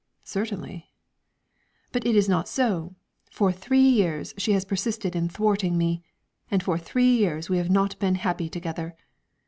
"Certainly." "But it is not so. For three years she has persisted in thwarting me, and for three years we have not been happy together.